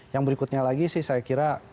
yang berikutnya lagi sih saya kira